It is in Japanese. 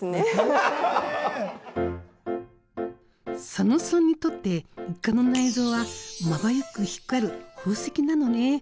佐野さんにとってイカの内臓はまばゆく光る宝石なのね。